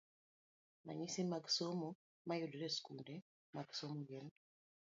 Ranyisi mag somo mayudore e skunde mag somo gin: